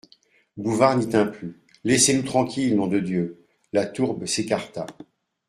Bouvard n'y tint plus., Laissez-nous tranquilles, nom de Dieu ! La tourbe s'écarta.